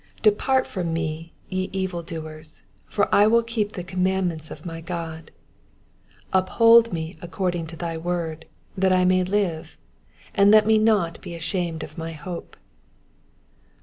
115 Depart from me, ye evil doers: for I will keep the com mandments of my God. , 116 Uphold me according unto thy word, that I may live: and let me not be ashamed of my hope.